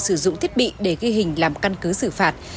sử dụng thiết bị để ghi hình làm căn cứ xử phạt